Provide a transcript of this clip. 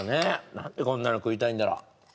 何でこんなの食いたいんだろう